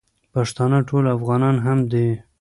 پښتانه ټول افغانان هم دي.